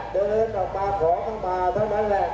เดินออกมาขอเข้ามาเท่านั้นแหละ